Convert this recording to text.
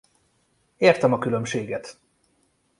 Értem a különbséget!